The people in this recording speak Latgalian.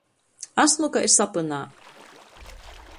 Asmu kai sapynā!